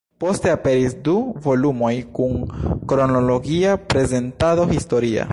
Poste aperis du volumoj kun kronologia prezentado historia.